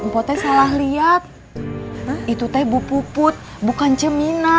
potensial ahli at itu teh bupuput bukan cemina